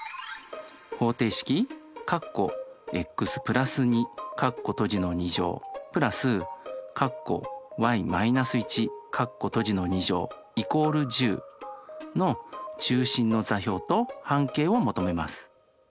方程式＋＝１０の中心の座標と半径を求めます。